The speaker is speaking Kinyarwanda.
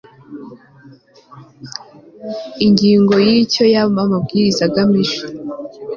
Ingingo ya Icyo aya Mabwiriza agamije